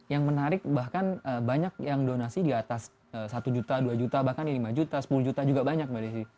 yang menarik bahkan banyak yang donasi di atas satu juta dua juta bahkan lima juta sepuluh juta juga banyak mbak desi